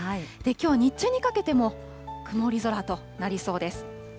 きょう日中にかけても、曇り空となりそうです。